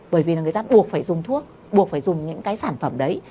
bởi vì là người ta buộc phải dùng thuốc buộc phải dùng những cái sản phẩm đấy